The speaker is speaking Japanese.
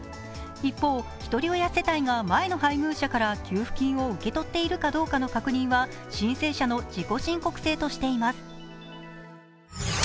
一方、ひとり親世帯が前の配偶者から給付金を受け取っているかどうかの確認は申請者の自己申告制としてます。